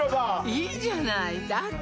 いいじゃないだって